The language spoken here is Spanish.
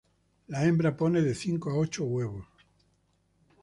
La hembra pone de cinco a ocho huevos.